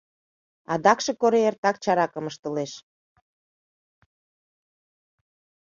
Адакше Корий эртак чаракым ыштылеш.